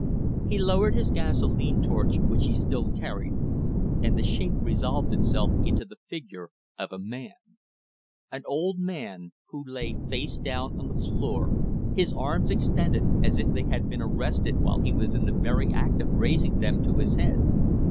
He lowered his gasolene torch which he still carried, and the shape resolved itself into the figure of a man; an old man who lay face down on the floor, his arms extended as if they had been arrested while he was in the very act of raising them to his head.